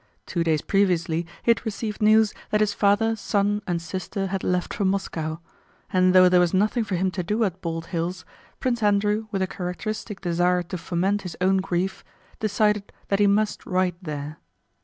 Two days previously he had received news that his father, son, and sister had left for Moscow; and though there was nothing for him to do at Bald Hills, Prince Andrew with a characteristic desire to foment his own grief decided that he must ride there.